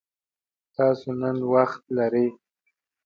تاسو نن وخت لری؟